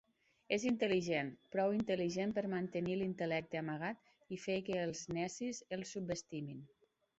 És intel·ligent, prou intel·ligent per mantenir l'intel·lecte amagat i fer que els necis el subestimin.